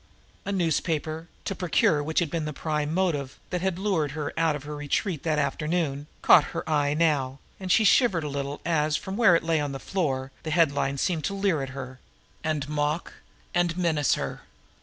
A newspaper, to procure which had been the prime motive that had lured her out of her retreat that afternoon, caught her eye now, and she shivered a little as, from where it lay on the floor, the headlines seemed to leer up at her, and mock, and menace her.